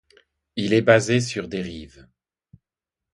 Il est basé sur Derive.